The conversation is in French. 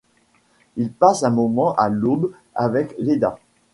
Il passe un moment à l'aube avec Léda.